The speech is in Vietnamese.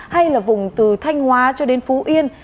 hay là vùng từ thanh hóa cho đến phú yên